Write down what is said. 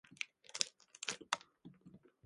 文字が大きい